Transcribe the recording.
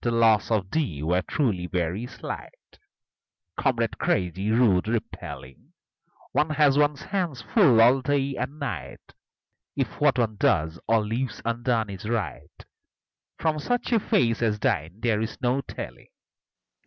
The loss of thee were truly very slight, comrade crazy, rude, repelling: One has one's hands full all the day and night; If what one does, or leaves undone, is right, From such a face as thine there is no telling.